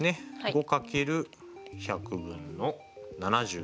５×１００分の７０。